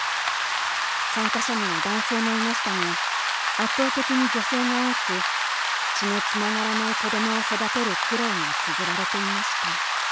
参加者には男性もいましたが、圧倒的に女性が多く、血のつながらない子どもを育てる苦労が綴られていました」。